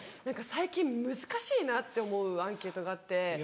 何か最近難しいなって思うアンケートがあって。